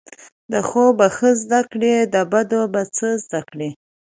د ښو به ښه زده کړی، د بدو به څه زده کړی